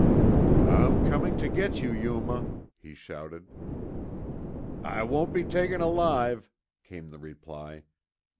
"I'm coming to get you, Yuma," he shouted. "I won't be taken alive," came the reply.